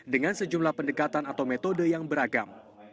dengan sejumlah pendekatan atau metode yang beragam